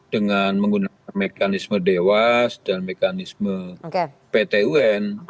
dengan menggunakan mekanisme dewas dan mekanisme pt un